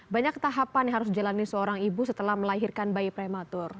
banyak tahapan yang harus dijalani seorang ibu setelah melahirkan bayi prematur